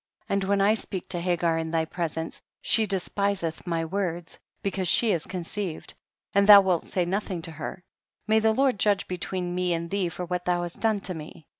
And when I speak to Hagar in thy presence, she despiseth my words, because, she has conceived, and thou wilt say nothing to her ; may the Lord judge between me and thee for what thou hast done to me.